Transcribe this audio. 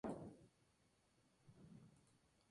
Una mujer ve al bote sin personas y sale de su casa.